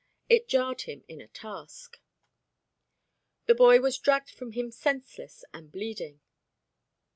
It jarred him in a task. The boy was dragged from him senseless and bleeding.